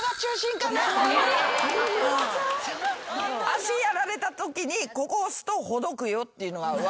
足やられたときにここを押すとほどくよっていうのが分かる。